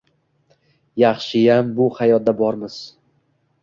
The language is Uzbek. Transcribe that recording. Yaxshiyam bu hayotda bormiz.